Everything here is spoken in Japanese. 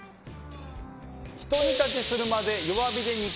ひと煮立ちするまで弱火で煮込みます。